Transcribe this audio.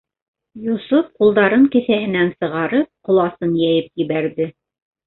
— Йосоп, ҡулдарын кеҫәһенән сығарып, ҡоласын йәйеп ебәрҙе.